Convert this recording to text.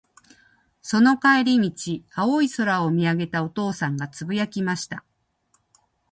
その帰り道、青い空を見上げたお父さんが、つぶやきました。